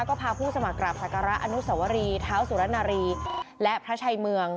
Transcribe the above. ก็พาผู้สมัครกราบศักระอนุสวรีเท้าสุรนารีและพระชัยเมือง